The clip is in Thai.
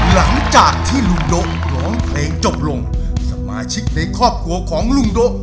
หลังจากที่ลุงโด๊ะร้องเพลงจบลงสมาชิกในครอบครัวของลุงโด๊ะ